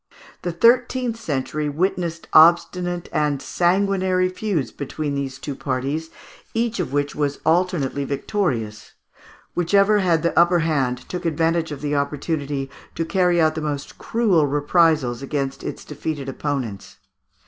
The thirteenth century witnessed obstinate and sanguinary feuds between these two parties, each of which was alternately victorious. Whichever had the upper hand took advantage of the opportunity to carry out the most cruel reprisals against its defeated opponents.